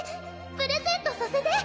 プレゼントさせて！